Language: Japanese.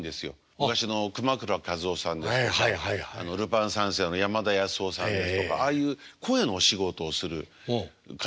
昔の熊倉一雄さんですとか「ルパン三世」の山田康雄さんですとかああいう声のお仕事をする方が。